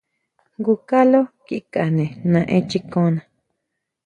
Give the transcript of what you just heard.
Jngu kaló kikane naʼenchikona.